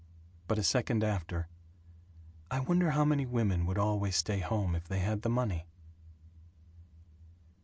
But a second after: "I wonder how many women would always stay home if they had the money?"